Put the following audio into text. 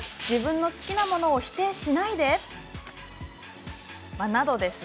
自分の好きなものを否定しないで」など。